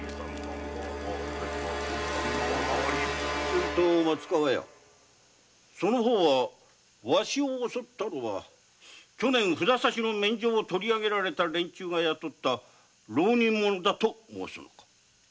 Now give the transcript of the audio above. すると松川屋その方はわしを襲ったのは去年札差の免状を取り上げられた連中が雇った浪人者だと？